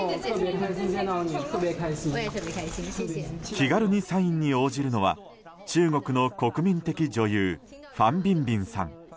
気軽にサインに応じるのは中国の国民的女優ファン・ビンビンさん。